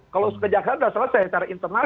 kalau kejaksaan sudah selesai secara internal